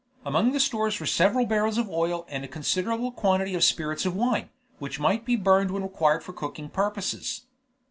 Among the stores were several barrels of oil and a considerable quantity of spirits of wine, which might be burned when required for cooking purposes.